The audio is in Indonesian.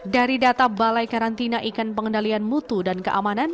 dari data balai karantina ikan pengendalian mutu dan keamanan